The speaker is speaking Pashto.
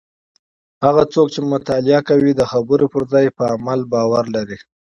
هغه څوک چې مطالعه کوي د خبرو پر ځای په عمل باور لري.